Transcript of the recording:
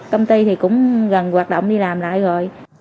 công ty thì cũng gần hoạt động đi làm lại rồi